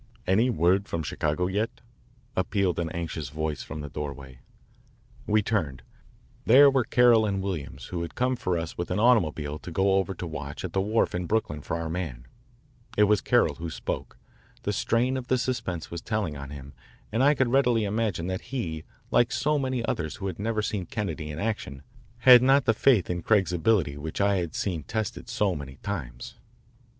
"Any word from Chicago yet?" appealed an anxious voice from the doorway. We turned. There were Carroll and Williams who had come for us with an automobile to go over to watch at the wharf in Brooklyn for our man. It was Carroll who spoke. The strain of the suspense was telling on him and I could readily imagine that he, like so many others who had never seen Kennedy in action, had not the faith in Craig's ability which I had seen tested so many times.